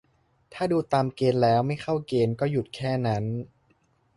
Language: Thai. ถ้าดูตามเกณฑ์แล้ว ไม่เข้าเกณฑ์ ก็หยุดแค่นั้น